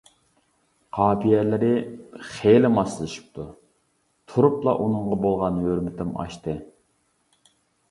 قاپىيەلىرى خىلى ماسلىشىپتۇ، -تۇرۇپلا ئۇنىڭغا بولغان ھۆرمىتىم ئاشتى.